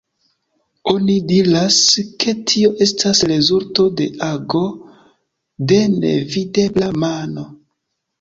Oni diras, ke tio estas rezulto de ago de nevidebla mano.